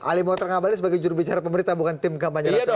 ali mohtar ngabalin sebagai jurubicara pemerintah bukan tim kampanye nasional